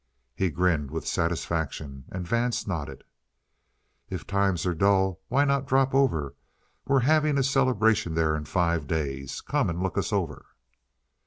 He grinned with satisfaction, and Vance nodded. "If times are dull, why not drop over? We're having a celebration there in five days. Come and look us over."